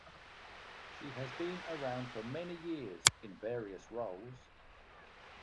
She has been around for many years in various roles.